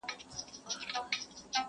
قاسم یار که ستا په سونډو مستانه سوم,